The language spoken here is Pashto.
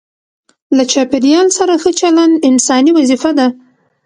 له چاپیریال سره ښه چلند انساني وظیفه ده.